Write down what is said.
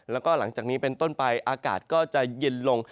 แล้วก็หลังจากนี้เป็นต้นไปอากาศก็จะเย็นลง